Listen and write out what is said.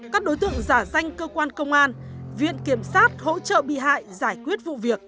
các đối tượng giả danh cơ quan công an viện kiểm sát hỗ trợ bị hại giải quyết vụ việc